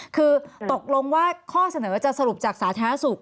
คือตกลงว่าข้อเสนอจะสรุปจากสาธารณสุข